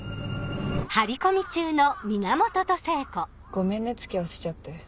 ごめんね付き合わせちゃって。